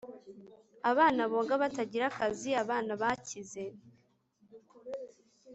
abana boga batagira akazi, abana bakize